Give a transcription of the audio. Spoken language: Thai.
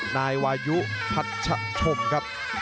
นายวายุพัชชมครับ